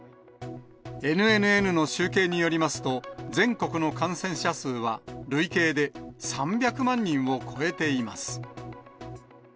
ＮＮＮの集計によりますと、全国の感染者数は、累計で３００万人を超えています。